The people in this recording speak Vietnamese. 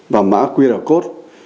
và mã qr code